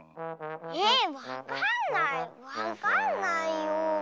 えわかんないわかんないよ。